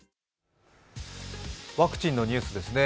ワクチンのニュースですね。